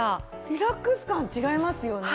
リラックス感違いますよね。